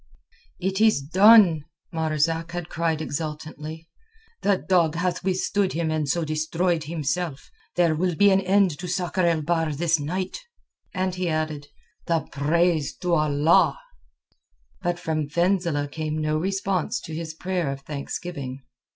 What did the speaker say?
"It is done," Marzak had cried exultantly. "The dog hath withstood him and so destroyed himself. There will be an end to Sakr el Bahr this night." And he had added: "The praise to Allah!" But from Fenzileh came no response to his prayer of thanksgiving.